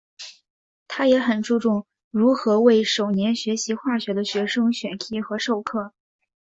他也很注重如何为首年学习化学的学生选题和授课。